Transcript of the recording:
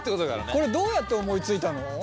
これどうやって思いついたの？